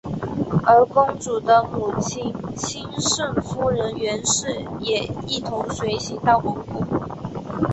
而公主的母亲钦圣夫人袁氏也一同随行到蒙古。